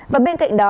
và bên cạnh đó